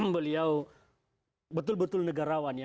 beliau betul betul negarawan